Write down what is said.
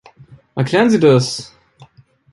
Erklären Sie das!